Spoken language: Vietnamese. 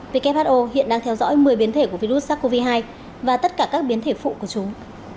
who hiện đang theo dõi một mươi biến thể của virus sars cov hai và tất cả các biến thể phụ của chúng